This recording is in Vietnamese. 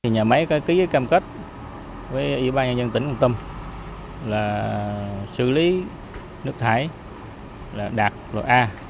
nhà máy có ký giới cam kết với ủy ban nhân dân tỉnh hồng tâm là xử lý nước thải đạt loại a